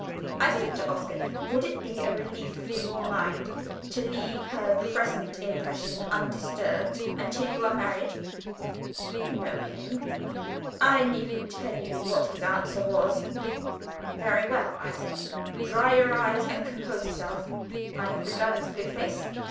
I said to Oscar, 'Would it be a relief to your mind to leave her present impression undisturbed until you are married?' You know him I needn't tell you what his answer was. 'Very well,' I said. 'Dry your eyes and compose yourself. I have begun as Blue Face.